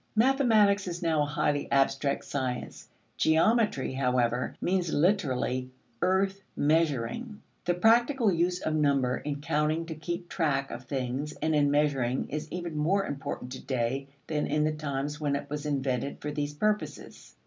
Mathematics is now a highly abstract science; geometry, however, means literally earth measuring: the practical use of number in counting to keep track of things and in measuring is even more important to day than in the times when it was invented for these purposes.